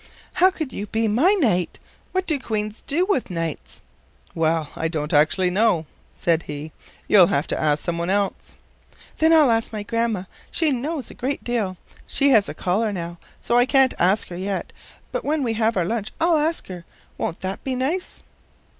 How could you be my knight? What do queens do with knights?" "Well, I don't exactly know," said he. "You'll have to ask some one else." "Then I'll ask my grandma. She knows a great deal. She has a caller now, so I can't ask her yet, but when we have our lunch I'll ask her. Won't that be nice?"